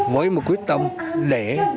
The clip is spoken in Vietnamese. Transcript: với một quyết tâm để